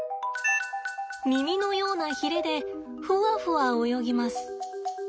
耳のようなヒレでふわふわ泳ぎます。